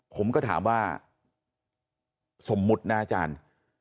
ผมก็ถามว่าสมมุตินะอาจารย์